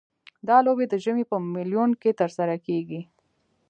دا لوبې د ژمي په میلوں کې ترسره کیږي